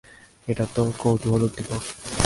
এটা তো কৌতুহলোদ্দীপক!